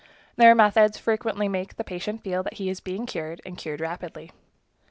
Their method frequently makes the patient feel that he is being cured, and cured rapidly.